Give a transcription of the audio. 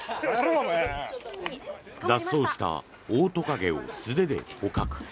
脱走したオオトカゲを素手で捕獲。